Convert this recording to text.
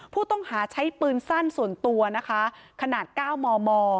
ผู้ต้องหาใช้ปืนสั้นส่วนตัวนะคะขนาด๙มม